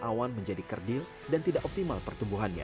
awan menjadi kerdil dan tidak optimal pertumbuhannya